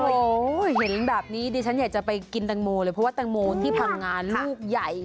โอ้โหเห็นแบบนี้ดิฉันอยากจะไปกินแตงโมเลยเพราะว่าแตงโมที่พังงานลูกใหญ่